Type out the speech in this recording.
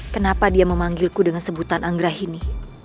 kenapa dia memanggilku dengan sebutan anggrahini